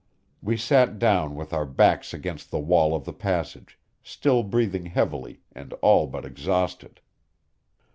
We sat down with our backs against the wall of the passage, still breathing heavily and all but exhausted.